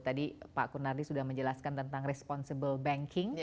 tadi pak kunardi sudah menjelaskan tentang responsible banking